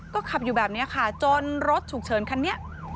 ก็ขับอยู่แบบนี้ค่ะจนรถฉุกเฉินคันนี้